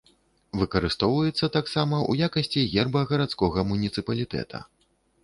Выкарыстоўваецца таксама ў якасці герба гарадскога муніцыпалітэта.